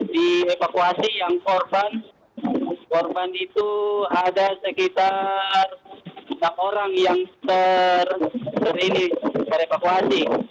di evakuasi yang korban korban itu ada sekitar enam orang yang terini ter evakuasi